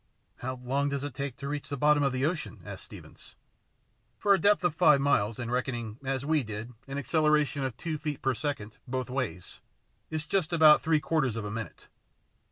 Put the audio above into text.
" How long does it take to reach the bottom of the ocean ?" asked Steevens. " For a depth of five miles, and reckoning as we did an acceleration of two feet per second, both ways, is just about three quarters of a minute."